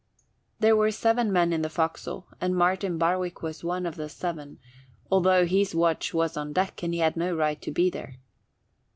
There were seven men in the forecastle and Martin Barwick was one of the seven, although his watch was on deck and he had no right to be there.